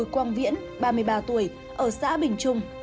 quang viễn ba mươi ba tuổi ở xã bình trung